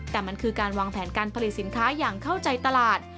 แต่มันคือการวางแผนการผลิตสินค้าอย่างเข้าใจตลาด